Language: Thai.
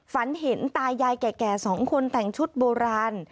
ฝันเห็นตายายแก่สองคนแต่งชุดโบราณ